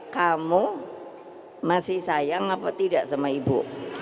kamu masih sayang apa tidak sama ibu